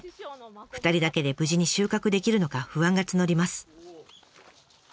２人だけで無事に収穫できるのか不安が募ります。